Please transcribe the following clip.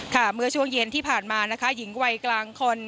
เมื่อช่วงเย็นที่ผ่านมานะคะหญิงวัยกลางคน